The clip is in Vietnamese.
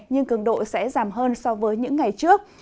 nhưng cường độ sẽ giảm hơn so với những ngày trước